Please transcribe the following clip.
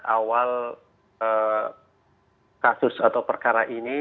awal kasus atau perkara ini